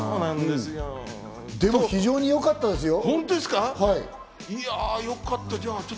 でも非常によかったですよ。